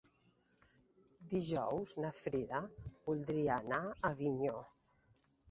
Dijous na Frida voldria anar a Avinyó.